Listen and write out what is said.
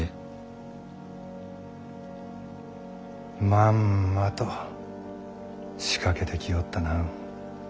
まんまと仕掛けてきおったな。